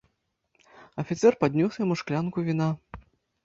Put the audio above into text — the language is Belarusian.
Афіцэр паднёс яму шклянку віна.